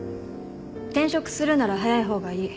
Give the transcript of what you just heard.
転職するなら早い方がいい。